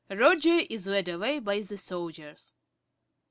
(_Roger is led away by the soldiers.